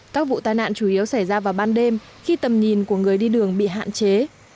các vụ tai nạn chủ yếu xảy ra vào ban đêm khi tầm nhìn của người đi đường bị hạn chế